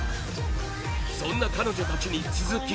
そんな彼女たちに続き